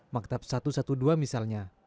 maktab satu ratus dua belas misalnya